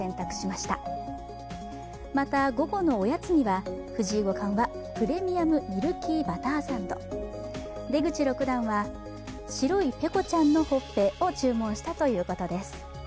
また、午後のおやつには藤井五冠はプレミアムミルキーバターサンド、出口六段は白いペコちゃんのほっぺを注文したということです。